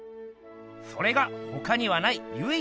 それがほかにはないゆい